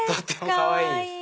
かわいい！